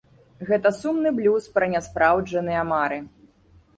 Гэта сумны блюз пра няспраўджаныя мары.